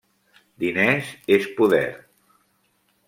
'Diners és poder'.